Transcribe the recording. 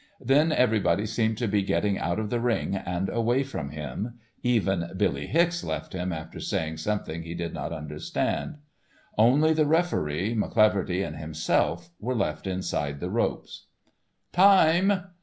Then everybody seemed to be getting out of the ring and away from him, even Billy Hicks left him after saying something he did not understand. Only the referee, McCleaverty and himself were left inside the ropes. "Time!"